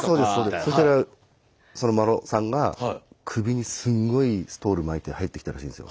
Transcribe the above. そうしたらその麿さんが首にすんごいストール巻いて入ってきたらしいんですよ。